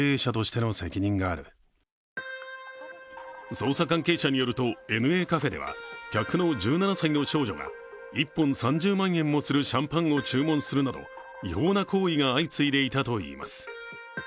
捜査関係者によると、ＮＡカフェでは客の１７歳の少女が１本３０万円もするシャンパンを注文するなど違法な行為が相次いでいたといいます。